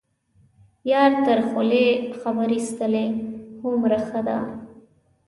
یار تر خولې خبر یستلی هومره ښه ده.